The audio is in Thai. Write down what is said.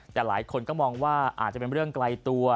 แต่หลายคนก็มองว่าอาจจะเป็นเรื่องไกลตัว